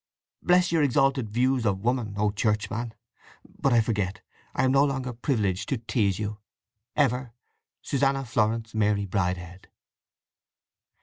Bless your exalted views of woman, O churchman! But I forget: I am no longer privileged to tease you.—Ever, SUSANNA FLORENCE MARY BRIDEHEAD.